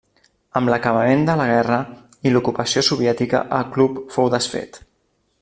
Amb l'acabament de la guerra i l'ocupació soviètica el club fou desfet.